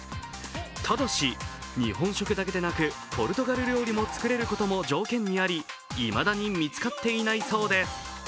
ただし、日本食だけでなくポルトガル料理が作れることも条件にありいまだに見つかっていないそうです。